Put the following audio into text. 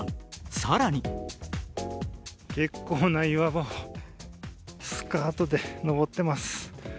更に結構な岩場をスカートで登っています。